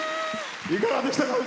いかがでしたか？